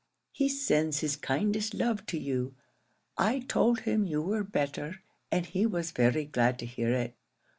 "He sends his kindest love to you. I told him you were better, and he was very glad to hear it.